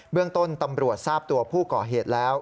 เรื่องต้นตำรวจทราบตัวผู้ก่อเหตุแล้ว